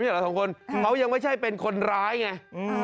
ไม่ใช่เหรอทั้งคนเขายังไม่ใช่เป็นคนร้ายไง